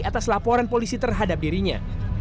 atas laporan polisi terhadap dirinya